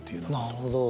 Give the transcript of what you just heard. なるほど。